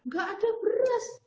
gak ada beres